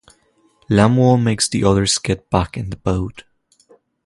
Lemuel makes the others get back in the boat.